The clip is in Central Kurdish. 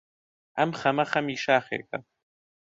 ئەم خەمە خەمی شاخێکە،